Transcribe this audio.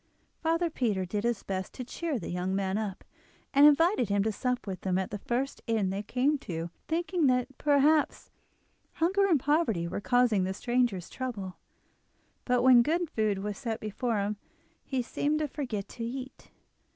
Father Peter did his best to cheer the young man up, and invited him to sup with him at the first inn they came to, thinking that perhaps hunger and poverty were causing the stranger's trouble. But when good food was set before him he seemed to forget to eat.